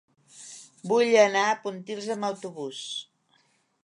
Vull anar a Pontils amb autobús.